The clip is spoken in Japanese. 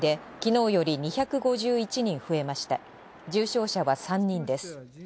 重症者は３人です。